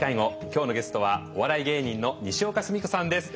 今日のゲストはお笑い芸人のにしおかすみこさんです。